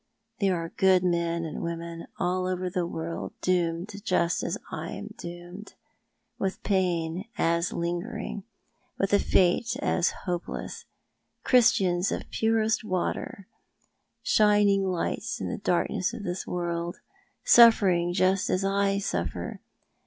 There are good men and women all over the world doomed just as I am doomed — with pain as lingering — with a fate as hopeless — Christians of purest water, shining lights in the darkness of this world — suIYcriug just as 1 suffer.